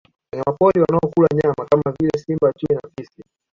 Wanyamapori wanao kula nyama kama vile simba chui na fisi